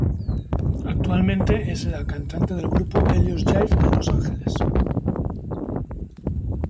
Actualmente es la cantante del grupo Helios Jive en Los Ángeles.